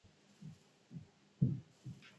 Errepublikanoek gastu publikoa murriztea eskatu dute.